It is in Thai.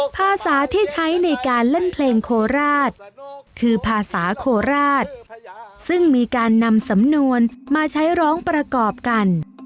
ภาษาที่ใช้ในการเล่นเพลงโคราชคือภาษาโคราชซึ่งมีการนำสำนวนมาใช้ร้องประกอบกัน